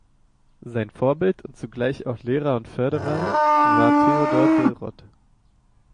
Sein Vorbild und zugleich auch Lehrer und Förderer war Theodor Billroth.